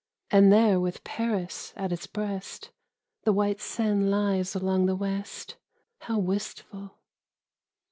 And there with Paris at its breast The white Seine lies along the west How wistful!